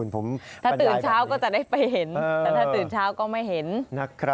ถ้าตื่นเช้าก็จะได้ไปเห็นแต่ถ้าตื่นเช้าก็ไม่เห็นนะครับ